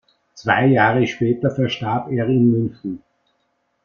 Zwei Jahre später verstarb er in München.